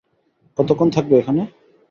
কতোক্ষণ থাকবে এখানে?